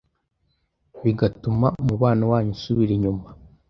bigatuma umubano wanyu usubira inyuma